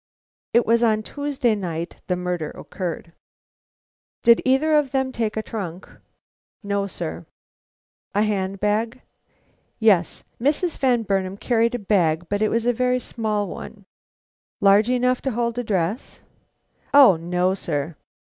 (It was on Tuesday night the murder occurred.) "Did either of them take a trunk?" "No, sir." "A hand bag?" "Yes; Mrs. Van Burnam carried a bag, but it was a very small one." "Large enough to hold a dress?" "O no, sir."